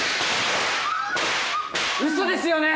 嘘ですよね！？